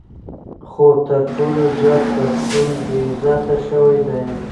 خو تر ټولو زیات پښتون بې عزته شوی دی.